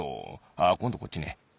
ああこんどこっちね。